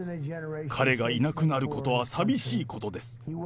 彼がいなくなることは寂しいことです。